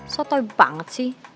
sotoy banget sih